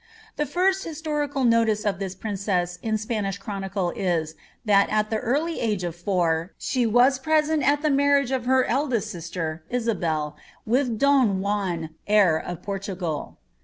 The first historical notice of this princess in Spanish chronicle is, that at the early age of four she was present at the marriage of her eldest lister, Isabel, with Don Juan, heir of Portugal.